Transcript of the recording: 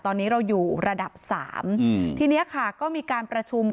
ตอนนี้เราอยู่ระดับ๓ที่นี่ค่ะก็มีการประชุมของ